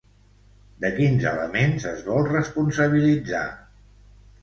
De quins elements es vol responsabilitzar?